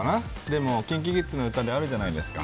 でもＫｉｎＫｉＫｉｄｓの歌であるじゃないですか。